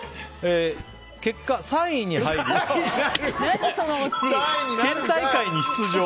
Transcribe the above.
結果、３位に入り県大会に出場。